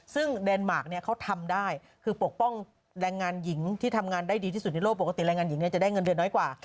ซึ่งแดนมาร์คเนี่ยเขาทำได้คือปกป้องแรงงานหญิงที่ทำงานได้ดีที่สุดในโลกปกติแรงงานหญิงจะได้เงินเดือนน้อยกว่า